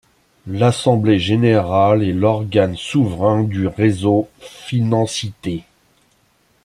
L'assemblée générale est l'organe souverain du Réseau Financité.